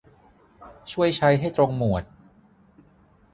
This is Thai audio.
ช่วยใช้ให้ตรงหมวด